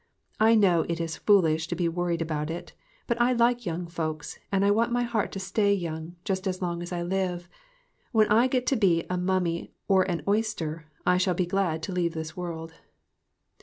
I know it is foolish to be worried about it, but I like young folks, and I want my heart to stay young just as long as I live. When I get to be a mummy or an oyster, I shall be glad to leave this world.